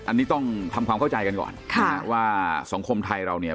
อันนี้ต้องทำความเข้าใจกันก่อนค่ะว่าสังคมไทยเราเนี่ย